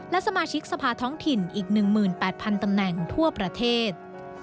และสมาชิกสภาท้องถิ่นอีก๑๘๐๐๐ตำแหน่งทั่วประเทศ